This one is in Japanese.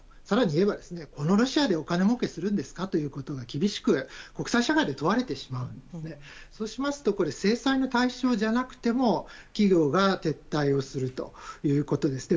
更にいえば、このロシアでお金儲けをするんですかと厳しく国際社会で問われてしまうのでそうしますと制裁の対象じゃなくても企業が撤退するということで。